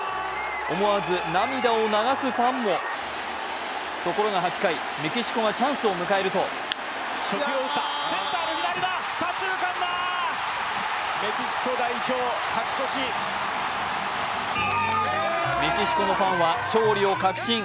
思わず涙を流すファンもところが８回、メキシコがチャンスを迎えるとメキシコのファンは勝利を確信。